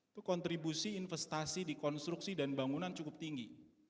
itu kontribusi investasi di konstruksi dan bangunan cukup tinggi